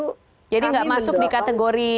nah tentu jadi nggak masuk di kategori nah tentu